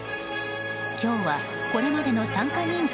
今日はこれまでの参加人数